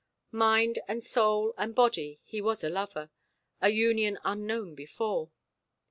Mind and soul and body he was a lover, a union unknown before.